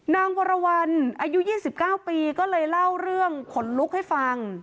นางวรวรรณอายุ๒๙ปีก็เลยเล่าเรื่องขนลุกให้ฟัง